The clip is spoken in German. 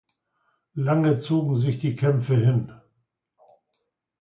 Lange zogen sich die Kämpfe hin.